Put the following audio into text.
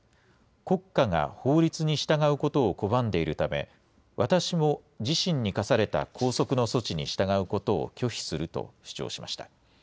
国家が法律に従うことを拒んでいるため、私も自身に科された拘束の措置に従うことを拒否すると主張しました。